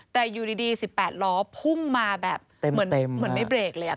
แต่อยู่ดี๑๘ล้อพุ่งมาแบบเหมือนไม่เบรกเลย